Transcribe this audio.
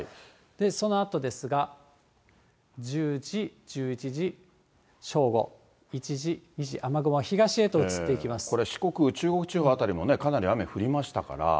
そのあとですが、１０時、１１時、正午、１時、２時、これ、四国、中国地方辺りもかなり雨降りましたから。